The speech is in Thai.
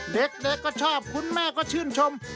เด็กก็ชอบคุณแม่ก็ชื่นชม